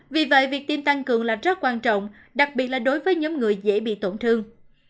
vì vậy việc tiêm tăng cường là rất quan trọng đặc biệt là đối với nhóm người dễ bị tổn thương